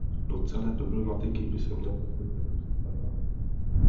Do celé problematiky by se měl zapojit Evropský parlament.